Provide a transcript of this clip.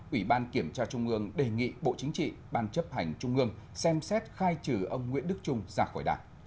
ủy ban kiểm tra trung ương đề nghị bộ chính trị ban chấp hành trung ương xem xét khai trừ ông nguyễn đức trung ra khỏi đảng